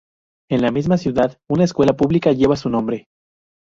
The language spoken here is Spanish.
En la misma ciudad, una escuela pública lleva su nombre.